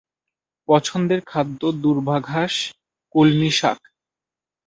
পছন্দের খাদ্য দূর্বাঘাস, কলমি শাক